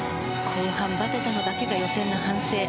後半ばてたのだけが予選の反省。